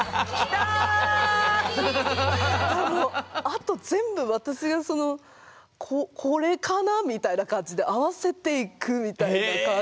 あと全部私がその「これかな？」みたいな感じで合わせていくみたいな感じだったから。